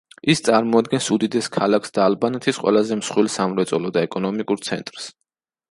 ის წარმოადგენს უდიდეს ქალაქს და ალბანეთის ყველაზე მსხვილ სამრეწველო და ეკონომიკურ ცენტრს.